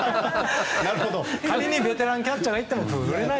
仮にベテランキャッチャーでも振れない。